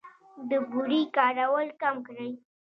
د بورې کارول کم کړئ.